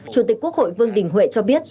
chủ tịch quốc hội vương đình huệ cho biết